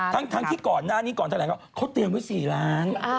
๓ล้านครับทั้งที่ก่อนนานที่ก่อนแถวนานเขาเตรียมไว้๔ล้าน